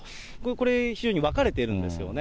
これ、分かれているんですよね。